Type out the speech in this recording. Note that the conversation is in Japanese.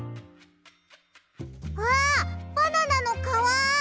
あっバナナのかわ！